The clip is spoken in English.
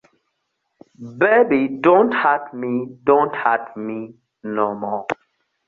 Baby don't hurt me, don't hurt me...no more.